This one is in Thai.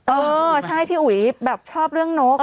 เออใช่พี่อุ๋ยแบบชอบเรื่องนก